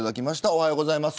おはようございます。